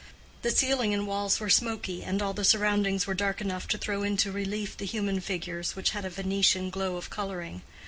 The ceiling and walls were smoky, and all the surroundings were dark enough to throw into relief the human figures, which had a Venetian glow of coloring.